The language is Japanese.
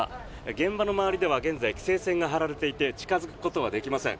現場の周りでは現在、規制線が張られていて近付くことはできません。